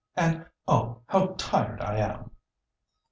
And, oh, how tired I am!"